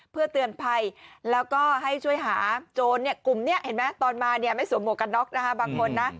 เพื่อเตือนภัยแล้วก็ให้ช่วยหาโจรเนี่ยกลุ่มนี้เห็นไหมตอนมาเนี่ยไม่สวมหวกกันน็อกนะคะบางคนนะ